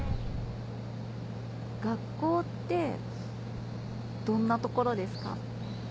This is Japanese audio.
学校ってどんな所ですか？